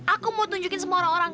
aku mau tunjukin semua orang orang